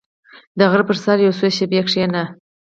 • د غره پر سر یو څو شېبې کښېنه.